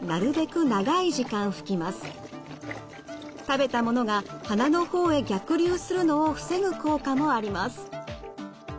食べたものが鼻の方へ逆流するのを防ぐ効果もあります。